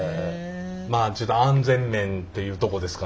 まあちょっと安全面というとこですかねやっぱり。